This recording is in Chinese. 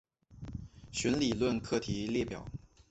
弦理论课题列表。